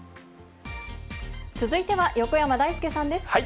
続いては横山だいすけさんです。